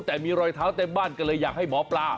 แต่มีรอยเท้าเต็มบ้านก็เลยอยากให้หมอปลา